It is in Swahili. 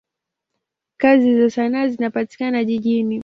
Kazi za sanaa zinapatikana jijini.